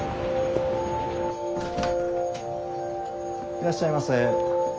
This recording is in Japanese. いらっしゃいませ。